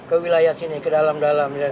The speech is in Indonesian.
ke wilayah sini ke dalam dalam